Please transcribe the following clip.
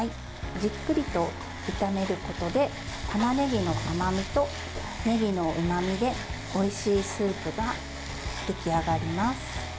じっくりと炒めることでたまねぎの甘みとねぎのうまみでおいしいスープが出来上がります。